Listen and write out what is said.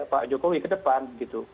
pak jokowi ke depan